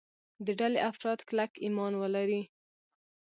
د ډلې افراد کلک ایمان ولري.